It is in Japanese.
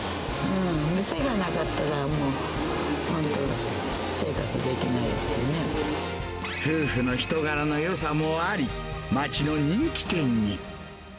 店がなかったら、もう本当、夫婦の人柄のよさもあり、町の人気店に。